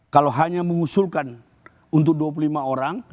kalau hanya mengusulkan untuk dua puluh lima orang